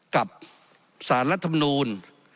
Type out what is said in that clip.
กับสารรัฐมนูล